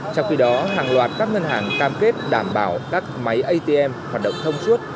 trong khi đó hàng loạt các ngân hàng cam kết đảm bảo các máy atm hoạt động thông suốt